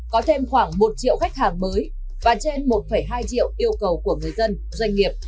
có thêm khoảng một triệu khách hàng mới và trên một hai triệu yêu cầu của người dân doanh nghiệp